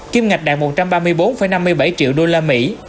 kiêm ngạch đạt một trăm ba mươi bốn năm mươi bảy triệu usd